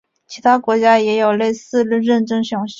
其他国家也有类似认证奖项。